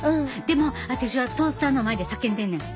でも私はトースターの前で叫んでんねん。